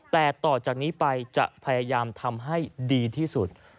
แต่ต่อจากนี้ไปจะพยายามทำให้ดีที่สุด